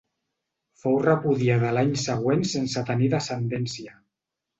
Fou repudiada l'any següent sense tenir descendència.